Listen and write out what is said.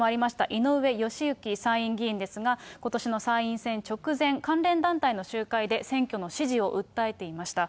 井上義行参院議員ですが、ことしの参院選直前、関連団体の集会で選挙の支持を訴えていました。